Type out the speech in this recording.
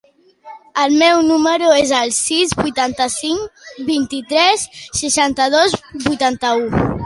El meu número es el sis, vuitanta-cinc, vint-i-tres, seixanta-dos, vuitanta-u.